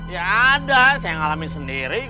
ya ada saya ngalamin sendiri